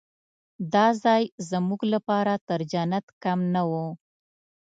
دا ځای زموږ لپاره تر جنت کم نه و.